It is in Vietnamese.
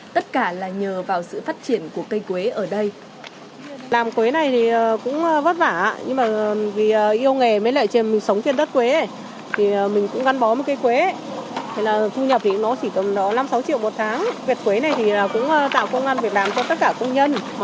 tất cả là nhờ vào sự phát triển của cây quế ở đây